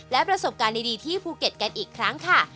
และประสบการณ์ดีที่ภูเก็ตกันอีกครั้งค่ะ